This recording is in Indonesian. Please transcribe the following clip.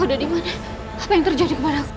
aku ada dimana apa yang terjadi kemarau